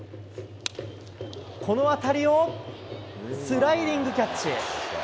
この当たりをスライディングキャッチ。